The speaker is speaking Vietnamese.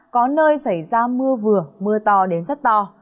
có nơi xảy ra mưa vừa mưa to đến rất to